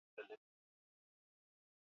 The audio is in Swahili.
hao wawili wanapendana sana